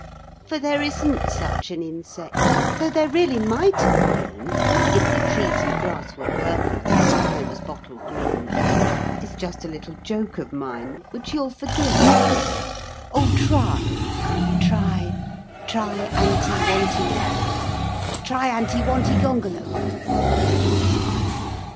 For there isn't such an insect, though there really might have been If the trees and grass were purple, and the sky was bottle green. It's just a little joke of mine, which you'll forgive, I hope. Oh, try! Tri Tri anti wonti Triantiwontigongolope.